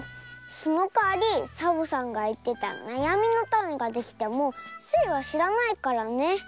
そのかわりサボさんがいってたなやみのタネができてもスイはしらないからね。